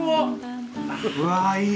うわいい。